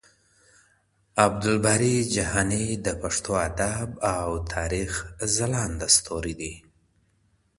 عبدالباري جهاني د پښتو ادب او تاریخ ځلانده ستوری دی.